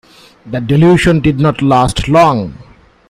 The delusion did not last long.